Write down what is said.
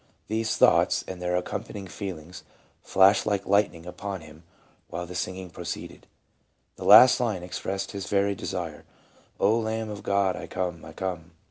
These thoughts and their accompanying feelings flashed like lightning upon him while the singing proceeded. The last line expressed his very de sire, "O Lamb of God, I come, I come."